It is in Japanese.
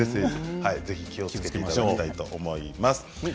ぜひ気をつけてもらいたいと思います。